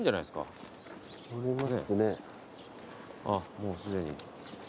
あっもうすでに。